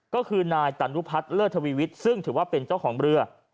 ก็คือนายตานุพัฒน์เลิศทวีวิทย์ซึ่งถือว่าเป็นเจ้าของเรือ